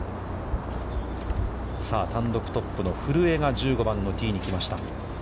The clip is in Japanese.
さあ、単独トップの古江が１５番のティーに来ました。